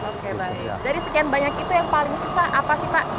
dari sekian banyak itu yang paling susah apa sih pak